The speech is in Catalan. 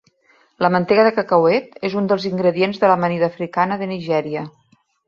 La mantega de cacauet és un dels ingredients de l"amanida africana de Nigèria.